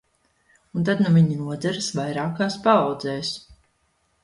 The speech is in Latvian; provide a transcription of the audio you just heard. Un tad nu viņi nodzeras vairākās paaudzēs.